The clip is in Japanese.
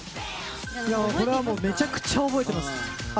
これはもうめちゃくちゃ覚えてます。